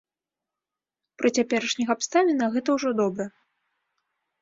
Пры цяперашніх абставінах, гэта ўжо добра.